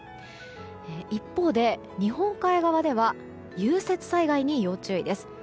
一方で、日本海側では融雪災害に要注意です。